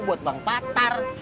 buat bang patar